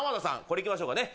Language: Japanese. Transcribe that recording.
これいきましょうかね